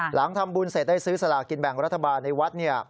หลังทำบุญเสร็จได้ซื้อสลากินแบ่งรัฐบาลในวัด